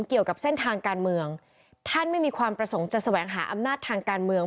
เกี่ยวกับเส้นทางการเมืองท่านไม่มีความประสงค์จะแสวงหาอำนาจทางการเมือง